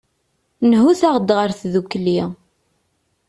Nhut-aɣ-d ɣer tdukli.